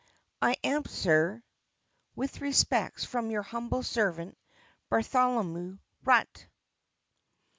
"I am, Sir," "With respects from your humble Servant," "BARTHOLOMEW RUTT."